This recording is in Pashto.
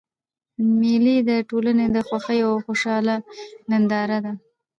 مېلې د ټولني د خوښیو او خوشحالۍ ننداره ده.